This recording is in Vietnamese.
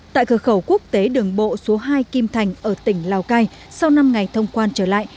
tại cửa khẩu quốc tế đường bộ số hai kim thành ở tỉnh lào cai sau năm ngày thông quan trở lại